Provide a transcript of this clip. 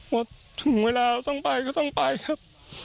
พอถึงเวลาต้องไปก็ต้องไปครับ